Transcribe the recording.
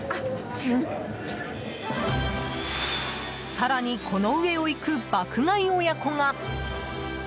更に、この上をいく爆買い親子が。